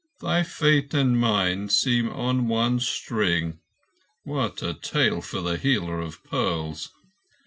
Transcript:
Thy fate and mine seem on one string. What a tale for the healer of pearls!